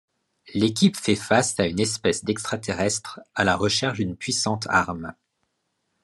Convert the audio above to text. L'équipe fait face à une espèce d'extra-terrestres à la recherche d'une puissante arme.